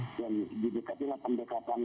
dan dibekatilah pendekatan